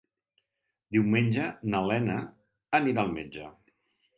Diumenge na Lena anirà al metge.